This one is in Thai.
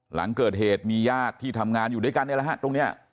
หลังเกิดเหตุมีญาติที่ทำงานอยู่ด้วยกันนี่แหละฮะตรงนี้